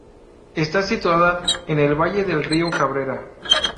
Está situada en el valle del río Cabrera.